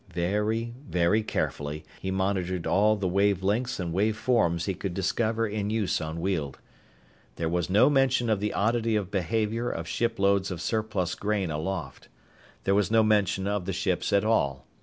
Very, very carefully, he monitored all the wave lengths and wave forms he could discover in use on Weald. There was no mention of the oddity of behavior of shiploads of surplus grain aloft. There was no mention of the ships at all.